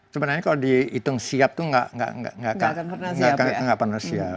sebenarnya kalau dihitung siap itu enggak akan pernah siap